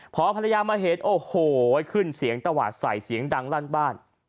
พอภรรยามาเห็นโอ้โหขึ้นเสียงตวาดใส่เสียงดังลั่นบ้าน